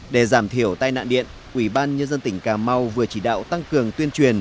để giảm thiểu tai nạn điện ủy ban nhân dân tỉnh cà mau vừa chỉ đạo tăng cường tuyên truyền